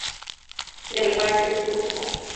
累官至都统。